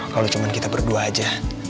kalau cuma kita berdua aja